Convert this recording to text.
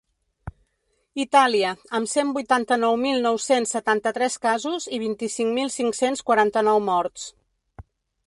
Itàlia, amb cent vuitanta-nou mil nou-cents setanta-tres casos i vint-i-cinc mil cinc-cents quaranta-nou morts.